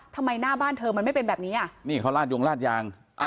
ทำไมหน้าบ้านเธอมันไม่เป็นแบบนี้อ่ะนี่เขาลาดยงลาดยาง